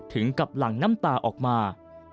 ถึงกับหลั่งน้ำตาออกมา